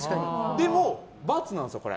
でも、×なんですよ。